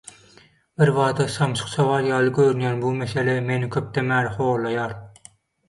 Birbada samsyk sowal ýaly göörünýän bu mesele meni köpden bäri horlaýar.